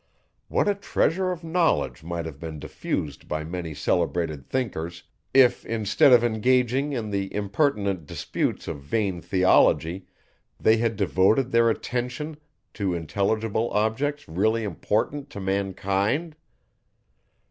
What a treasure of knowledge might have been diffused by many celebrated thinkers, if instead of engaging in the impertinent disputes of vain theology, they had devoted their attention to intelligible objects really important to mankind?